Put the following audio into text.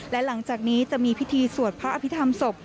และหลังจากนี้จะมีพิธีสวดพระอภิษฐรรมศพ